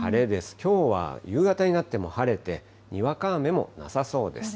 きょうは夕方になっても晴れてにわか雨もなさそうです。